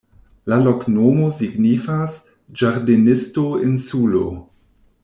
La loknomo signifas: ĝardenisto-insulo.